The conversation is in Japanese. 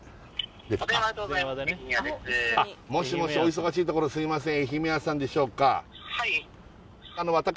もしもしお忙しいところすいません